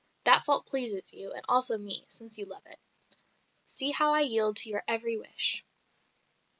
That fault pleases you, and also me, since you love it. See how I yield to your every wish."